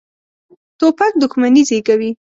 توپک دښمني زېږوي.